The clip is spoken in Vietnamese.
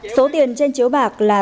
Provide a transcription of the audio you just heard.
số tiền trên chiếu bạc là